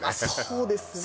そうですね